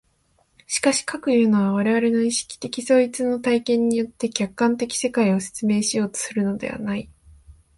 しかし、かくいうのは我々の意識的統一の体験によって客観的世界を説明しようとするのではない。